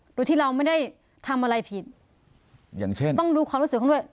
โดยที่เราไม่ได้ทำอะไรผิดอย่างเช่นต้องดูความรู้สึกเขาด้วย